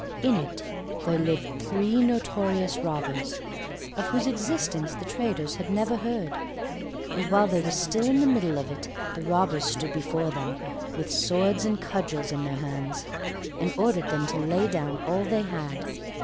In it there lived three notorious robbers, of whose existence the traders had never heard, and while they were still in the middle of it the robbers stood before them, with swords and cudgels in their hands, and ordered them to lay down all they had.